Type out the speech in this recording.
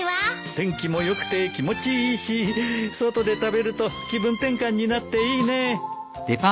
天気も良くて気持ちいいし外で食べると気分転換になっていいね。